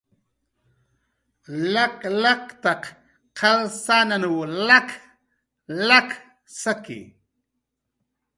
Lak laktaq qalsananw lak lak saki